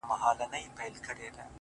o زه بې له تا گراني ژوند څنگه تېر كړم؛